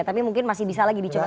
tapi mungkin masih bisa lagi dicoba